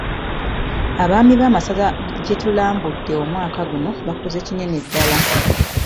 Abaami b'amasaza gye tulambudde omwaka guno bakoze kinene ddala.